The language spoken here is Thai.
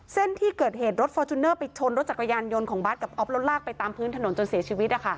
เส้นที่เกิดเหตุรถฟอร์จูเนอร์ไปชนรถจักรยานยนต์ของบาร์ดกับอ๊อฟแล้วลากไปตามพื้นถนนจนเสียชีวิต